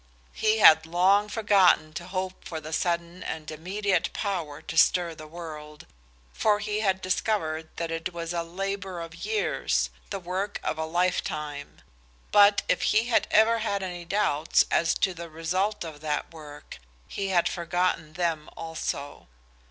He had long forgotten to hope for the sudden and immediate power to stir the world, for he had discovered that it was a labor of years, the work of a lifetime; but if he had ever had any doubts as to the result of that work, he had forgotten them also.